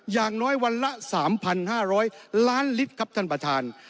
อย่างน้อยวันละ๓๕๐๐ล้านลิตรครับท่านประธาน